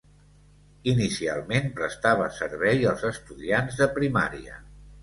Inicialment, prestava servei als estudiants de primària.